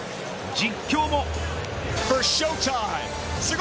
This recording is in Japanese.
実況も。